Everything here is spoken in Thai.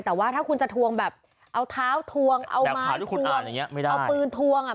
แต่ว่าถ้าคุณจะทวงแบบเอาเท้าทวงเอาไม้หรือคุณเอาปืนทวงอ่ะ